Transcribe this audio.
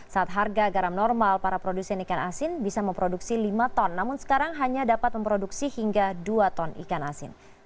saat harga garam normal para produsen ikan asin bisa memproduksi lima ton namun sekarang hanya dapat memproduksi hingga dua ton ikan asin